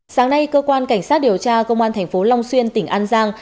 sáng nay cơ quan cảnh sát điều tra công an tp long xuyên tỉnh an giang